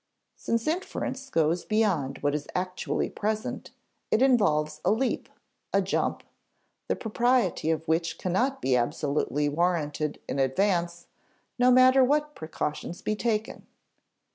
Since inference goes beyond what is actually present, it involves a leap, a jump, the propriety of which cannot be absolutely warranted in advance, no matter what precautions be taken.